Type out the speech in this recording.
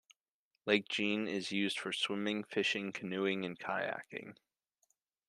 Lake Jean is used for swimming, fishing, canoeing and kayaking.